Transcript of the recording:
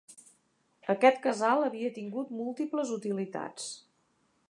Aquest casal havia tingut múltiples utilitats.